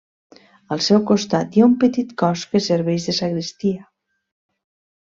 Al seu costat hi ha un petit cos que serveix de sagristia.